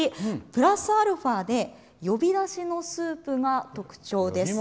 プラスアルファで呼び戻しのスープが特徴です。